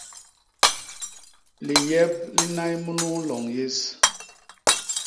Liyep li nnay munu loñ yés.